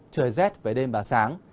trời rét về đêm và sáng